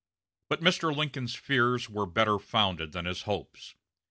But Mr. Lincoln's fears were better founded than his hopes.